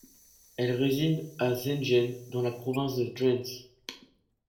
Elle réside à Zeijen, dans la province de Drenthe.